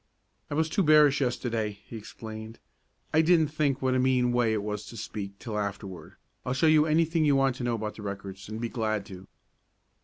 "I was too bearish yesterday," he explained. "I didn't think what a mean way it was to speak till afterward. I'll show you anything you want to know about the records, and be glad to."